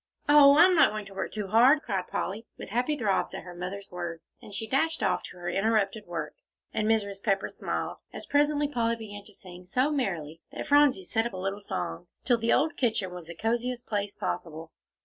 "Oh, I'm not going to work too hard," cried Polly, with happy throbs at her mother's words. And she dashed off to her interrupted work, and Mrs. Pepper smiled, as presently Polly began to sing so merrily that Phronsie set up a little song, till the old kitchen was the cosiest place possible.